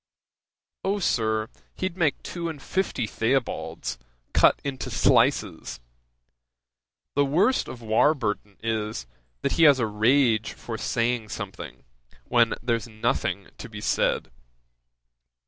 "O, Sir, he'd make two and fifty Theobalds, cut into slices! The worst of Warburton is, that he has a rage for saying something, when there's nothing to be said."